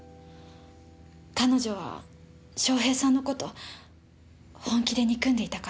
彼女は翔平さんの事本気で憎んでいたから。